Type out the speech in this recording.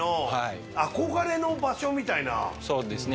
そうですね。